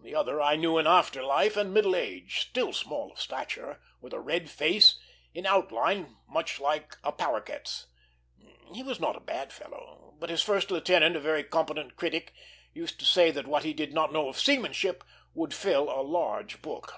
The other I knew in after life and middle age, still small of stature, with a red face, in outline much like a paroquet's. He was not a bad fellow; but his first lieutenant, a very competent critic, used to say that what he did not know of seamanship would fill a large book.